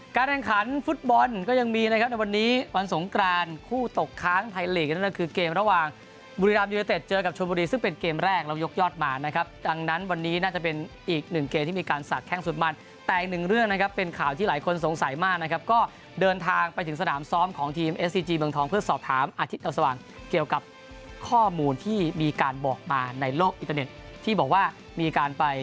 การแรงขันฟุตบอลก็ยังมีนะครับในวันนี้วันสงกรานคู่ตกค้างไทยหลีกนั่นก็คือเกมระหว่างบุรีรามยูเลเต็ดเจอกับชมบุรีซึ่งเป็นเกมแรกเรายกยอดมานะครับดังนั้นวันนี้น่าจะเป็นอีกหนึ่งเกมที่มีการสัดแค่งสุดมันแต่อีกหนึ่งเรื่องนะครับเป็นข่าวที่หลายคนสงสัยมากนะครับก็เดินทางไปถึงสนามซ้อมข